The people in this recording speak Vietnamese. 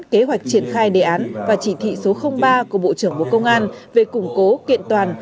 kế hoạch triển khai đề án và chỉ thị số ba của bộ trưởng bộ công an về củng cố kiện toàn